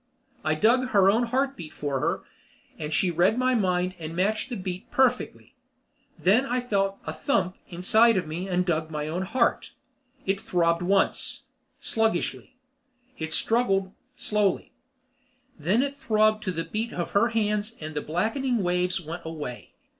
I dug her own heartbeat for her, and she read my mind and matched the beat perfectly. Then I felt a thump inside of me and dug my own heart. It throbbed once, sluggishly. It struggled, slowly. Then it throbbed to the beat of her hands and the blackening waves went away.